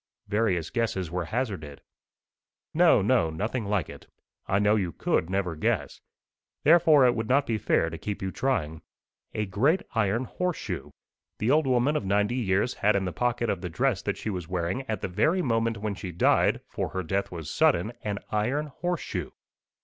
Various guesses were hazarded. "No, no nothing like it. I know you could never guess. Therefore it would not be fair to keep you trying. A great iron horseshoe. The old woman of ninety years had in the pocket of the dress that she was wearing at the very moment when she died, for her death was sudden, an iron horseshoe."